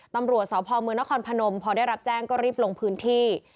ตำรวจสพมนครพนมพอได้รับแจ้งก็รีบลงพื้นที่